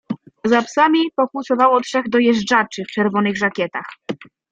"Za psami pokłusowało trzech dojeżdżaczy w czerwonych żakietach."